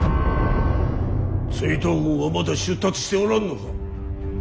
追討軍はまだ出立しておらんのか。